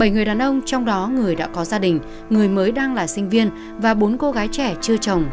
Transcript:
bảy người đàn ông trong đó người đã có gia đình người mới đang là sinh viên và bốn cô gái trẻ chưa chồng